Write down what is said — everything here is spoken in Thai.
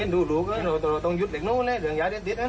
รู้ต้องหยุดเหล็กนู้นหลวงยาเล็ก